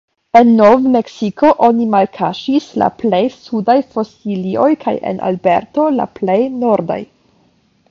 En Nov-Meksiko oni malkaŝis la plej sudaj fosilioj kaj en Alberto la plej nordaj.